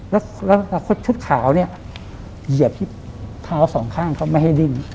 แล้วชุดขาวเนี่ยเหยียบที่เท้าสองข้างเขาไม่ให้ดิ้น